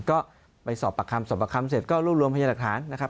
ก็ไปสอบปากคำสอบประคำเสร็จก็รวบรวมพยาหลักฐานนะครับ